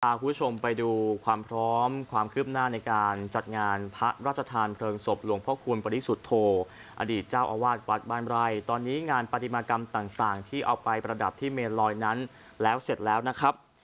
คุณผู้ชมไปดูความพร้อมความคืบหน้าในการจัดงานพระราชทานเพลิงศพหลวงพ่อคูณปริสุทธโธอดีตเจ้าอาวาสวัดบ้านไร่ตอนนี้งานปฏิมากรรมต่างที่เอาไปประดับที่เมนลอยนั้นแล้วเสร็จแล้วนะครับ